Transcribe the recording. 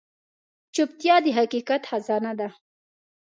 چوپتیا، د حقیقت خزانه ده.